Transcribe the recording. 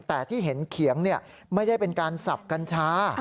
แต่ที่เห็นเขียงไม่ได้เป็นการสับกัญชา